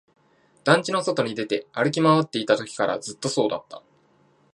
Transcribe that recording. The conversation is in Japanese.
団地の外に出て、歩き回っていたときからずっとそうだった